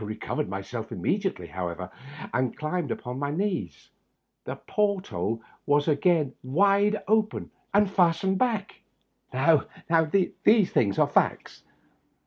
I recovered myself immediately, however, and climbed upon my knees. The port hole was again wide open and fastened back ! Now, these things are facts.